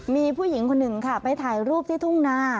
มีผู้หญิงคนหนึ่งค่ะไปถ่ายรูปที่ทุ่งนา